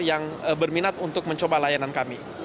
yang berminat untuk mencoba layanan kami